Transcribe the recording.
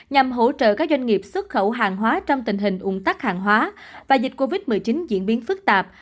nhằm hỗ trợ các doanh nghiệp xuất khẩu hàng hóa trong tình hình ủng tắc hàng hóa và dịch covid một mươi chín diễn biến phức tạp